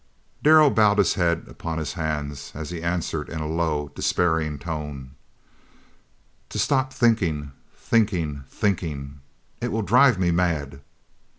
Darrell bowed his head upon his hands as he answered in a low, despairing tone, "To stop thinking, thinking, thinking; it will drive me mad!"